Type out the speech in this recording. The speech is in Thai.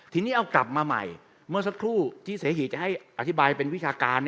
ทีนี้เอากลับมาใหม่เมื่อสักครู่ที่เสหีจะให้อธิบายเป็นวิชาการ